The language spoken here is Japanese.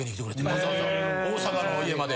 わざわざ大阪の家まで。